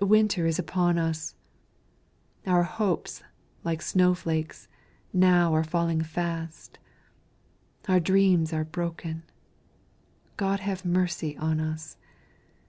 Winter is upon us; Our hopes, like snow flakes, now are falling fast, Our dreams are broken God have mercy on us!